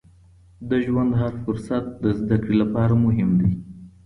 د ژوند هر فرصت د زده کړې لپاره مهم دی.